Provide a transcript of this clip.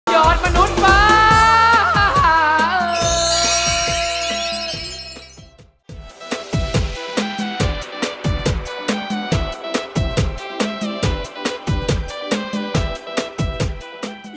อดมนุษย์ว้าว